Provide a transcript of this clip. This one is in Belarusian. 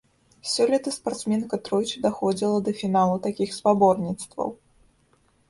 Сёлета спартсменка тройчы даходзіла да фіналу такіх спаборніцтваў.